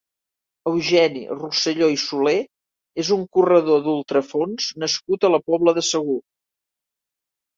Eugeni Roselló i Solé és un corredor d'ultrafons nascut a la Pobla de Segur.